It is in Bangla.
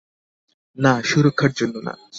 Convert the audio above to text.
না, সুরক্ষার জন্য না।